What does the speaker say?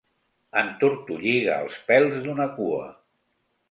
Entortolliga els pèls d'una cua.